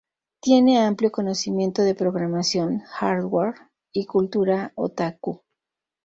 Tiene amplio conocimiento de programación, hardware y cultura otaku.